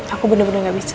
aku bener bener gak bisa